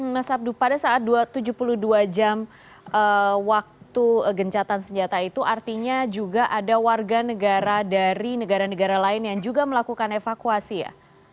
mas abdu pada saat tujuh puluh dua jam waktu gencatan senjata itu artinya juga ada warga negara dari negara negara lain yang juga melakukan evakuasi ya